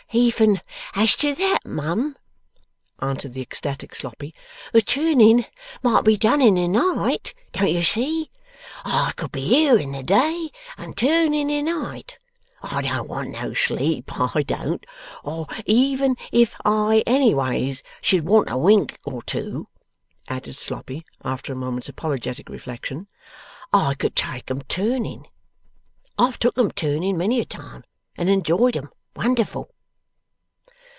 'Even as to that, mum,' answered the ecstatic Sloppy, 'the turning might be done in the night, don't you see? I could be here in the day, and turn in the night. I don't want no sleep, I don't. Or even if I any ways should want a wink or two,' added Sloppy, after a moment's apologetic reflection, 'I could take 'em turning. I've took 'em turning many a time, and enjoyed 'em wonderful!